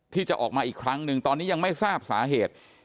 ที่จะออกมาอีกครั้งหนึ่งตอนนี้ยังไม่ทราบสาเหตุ